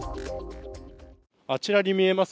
あちらに見えます